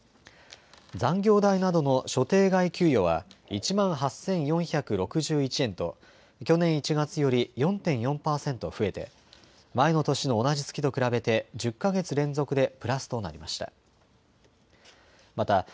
残業代などの所定外給与は１万８４６１円と去年１月より４．４％増えて前の年の同じ月と比べて１０か月連続でプラスとなりました。